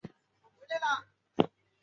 毛叶蕨为膜蕨科毛叶蕨属下的一个种。